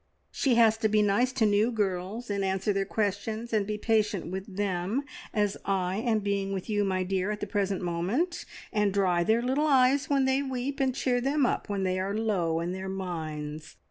She has to be nice to new girls, and answer their questions, and be patient with them, as I am being with you, my dear, at the present moment, and dry their little eyes when they weep, and cheer them up when they are low in their minds.